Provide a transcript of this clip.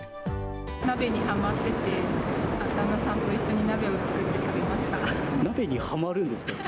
鍋にはまってて、旦那さんと鍋にはまるんですか。